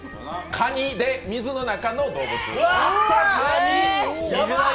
カニで、水の中の動物。